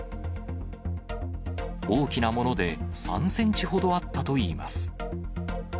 大きなもので３センチほどあったといいます。